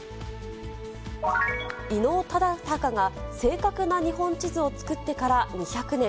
伊能忠敬が正確な日本地図を作ってから２００年。